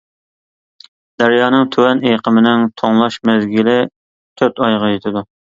دەريانىڭ تۆۋەن ئېقىمىنىڭ توڭلاش مەزگىلى تۆت ئايغا يېتىدۇ.